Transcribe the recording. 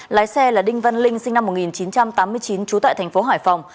lái xe là đinh văn linh sinh năm một nghìn chín trăm tám mươi chín trú tại thành phố hải phòng